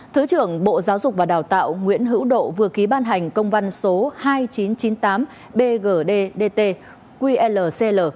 thứ trưởng bộ giáo dục và đào tạo nguyễn hữu độ vừa ký ban hành công văn số hai nghìn chín trăm chín mươi tám bgdt qlcl